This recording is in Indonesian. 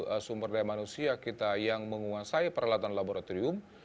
untuk sumber daya manusia kita yang menguasai peralatan laboratorium